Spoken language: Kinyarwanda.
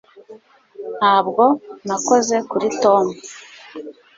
ntabwo nakoze kuri tom